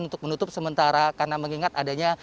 untuk menutup sementara karena mengingat adanya